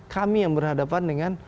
kami yang berhadapan dengan